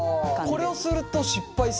これをすると失敗せずに？